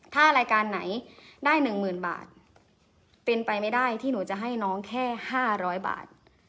ถ้ารายการไหนได้๑๐๐๐บาทเป็นไปไม่ได้ที่หนูจะให้น้องแค่๕๐๐บาท